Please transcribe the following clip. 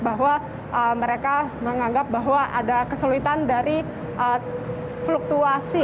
bahwa mereka menganggap bahwa ada kesulitan dari fluktuasi